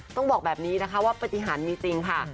ต้องบอกแบบนี้นะคะว่าปฏิหารมีจริงค่ะ